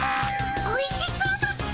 おいしそうだっピ。